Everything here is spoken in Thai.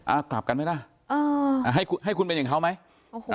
อ้ากลับกัน่ะให้คุณมาอย่างเขาไหม